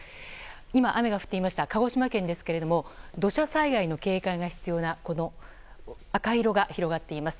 今、雨が降っていました鹿児島県ですけども土砂災害の警戒が必要な赤色が広がっています。